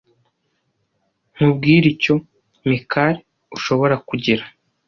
Nkubwire icyo, Mikali, ushobora kugira.